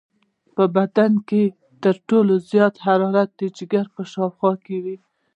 په بدن کې تر ټولو زیاته حرارت د جگر په شاوخوا کې وي.